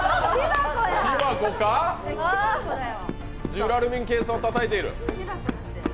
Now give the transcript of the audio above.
ジュラルミンケースをたたいている。